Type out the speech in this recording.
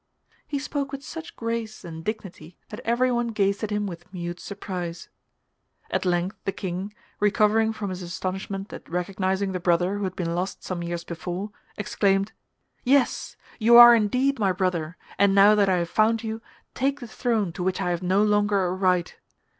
He spoke with such grace and dignity that everyone gazed at him with mute surprise. At length the King, recovering from his astonishment at recognising the brother who had been lost some years before, exclaimed, 'Yes, you are indeed my brother, and now that I have found you, take the throne to which I have no longer a right.